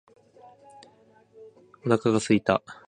お腹が空いた